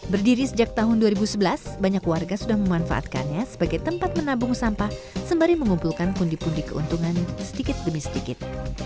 berdiri sejak tahun dua ribu sebelas banyak warga sudah memanfaatkannya sebagai tempat menabung sampah sembari mengumpulkan pundi pundi keuntungan sedikit demi sedikit